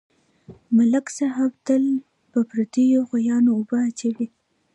ملک صاحب تل په پردیو غویانواوبه اچوي.